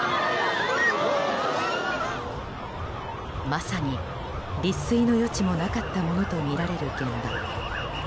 まさに立錐の余地もなかったものとみられる現場。